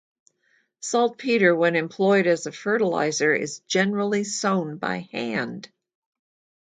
Saltpeter, when employed as a fertilizer, is generally sown by hand.